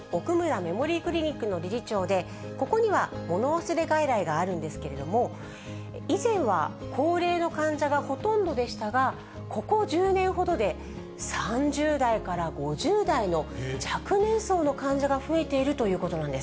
メモリークリニックの理事長で、ここにはもの忘れ外来があるんですけれども、以前は高齢の患者がほとんどでしたが、ここ１０年ほどで、３０代から５０代の若年層の患者が増えているということなんです。